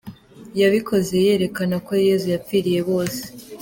Yabikoze yerekana ko Yezu yapfiriye bose.